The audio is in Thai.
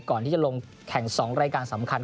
ก่อนที่จะลงแข่ง๒รายการสำคัญ